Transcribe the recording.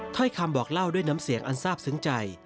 ถ้อยคำบอกเล่าด้วยน้ำเสียงอันทราบซึ้งใจ